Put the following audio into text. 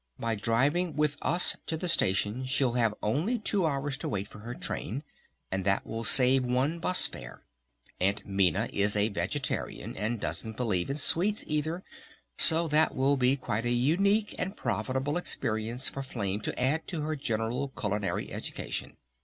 "By driving with us to the station, she'll have only two hours to wait for her train, and that will save one bus fare! Aunt Minna is a vegetarian and doesn't believe in sweets either, so that will be quite a unique and profitable experience for Flame to add to her general culinary education!